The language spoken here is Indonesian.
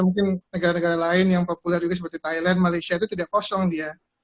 mungkin negara negara lain yang populer juga seperti thailand malaysia itu tidak kosong dia